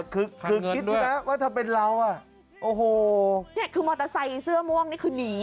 คือคือคิดใช่ไหมว่าถ้าเป็นเราอ่ะโอ้โหเนี่ยคือมอเตอร์ไซค์เสื้อม่วงนี่คือหนี